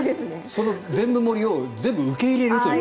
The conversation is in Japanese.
その全部盛りを全部受け入れるという。